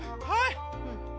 はい。